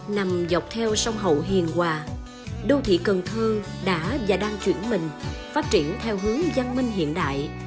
nằm dọc theo sông hậu hiền hòa đô thị cần thơ đã và đang chuyển mình phát triển theo hướng văn minh hiện đại